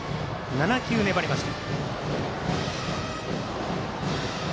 ７球粘りました。